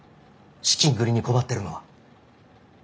資金繰りに困ってるのは。